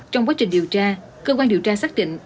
trong quá trình điều tra cơ quan điều tra xác định